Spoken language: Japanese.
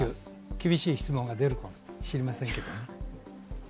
厳しい質問が出るかもしれませんけど。